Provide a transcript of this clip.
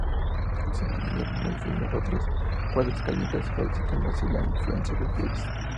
Se le añadieron al edificio otras cuatro escalinatas facilitando así la afluencia de fieles.